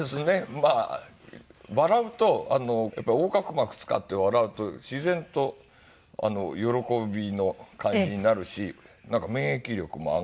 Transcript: まあ笑うとやっぱり横隔膜使って笑うと自然と喜びの感じになるしなんか免疫力も上がるというか。